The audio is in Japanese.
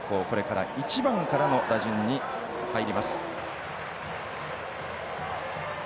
これから１番からの打順に入ります。